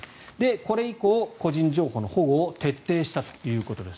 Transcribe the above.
これ以降、個人情報の保護を徹底したということです。